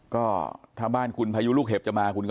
ก็ถ้าบ้านคุณพายุลูกเห็บจะมาคุณก็